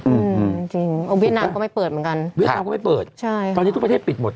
อืมจริงจริงเวียดนามก็ไม่เปิดเหมือนกันเวียดนามก็ไม่เปิดใช่ตอนนี้ทุกประเทศปิดหมด